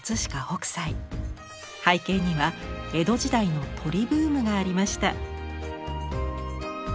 背景には江戸時代の鳥ブームがありました。